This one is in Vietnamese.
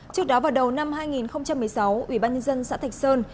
trước đó vào đầu năm hai nghìn một mươi sáu ủy ban nhân dân xã thạch sơn